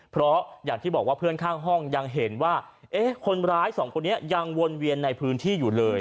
เพราะเพื่อนข้างห้องยังเห็นว่าคนร้ายสองคนนี้ยังวนเวียนในพื้นที่อยู่เลย